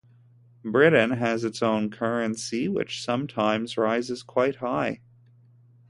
Britain has its own currency, which sometimes rises quite high.